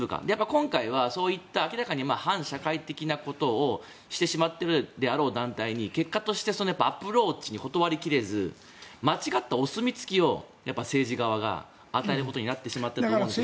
今回はそういった明らかに反社会的なことをしてしまっているであろう団体に結果としてアプローチに断り切れず間違ったお墨付きを政治側が与えてしまうことになったんじゃないかと。